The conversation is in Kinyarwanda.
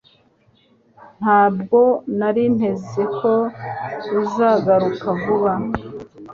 Ntabwo nari niteze ko uzagaruka vuba